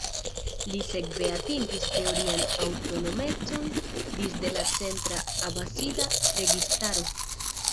Li sekve atingis teorian aŭtonomecon disde la centra Abasida registaro.